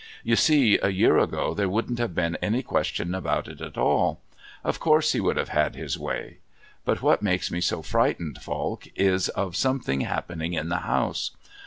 You see, a year ago there wouldn't have been any question about it at all. Of course he would have had his way. But what makes me so frightened, Falk, is of something happening in the house.